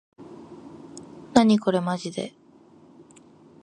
なにこれまじで